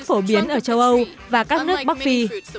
nhò thần gỗ rất phổ biến ở châu âu và các nước bắc phi